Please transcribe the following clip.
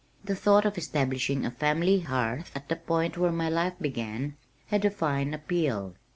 The thought of establishing a family hearth at the point where my life began, had a fine appeal.